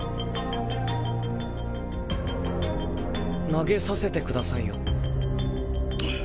投げさせてくださいよ。